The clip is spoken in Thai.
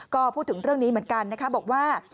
ก็พูดถึงเรื่องนี้เหมือนกันนะคะบอกว่า